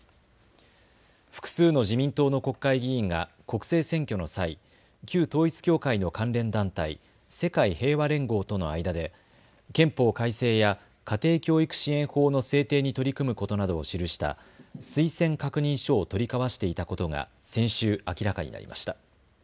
複数の自民党の国会議員が国政選挙の際、旧統一教会の関連団体、世界平和連合との間で憲法改正や家庭教育支援法の制定に取り組むことなどを記した推薦確認書を取り交わしていたことが先週、明らかになりました。